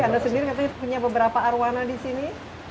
kita punya beberapa arwana di sini